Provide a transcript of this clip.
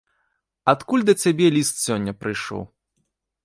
Адкуль да цябе ліст сёння прыйшоў?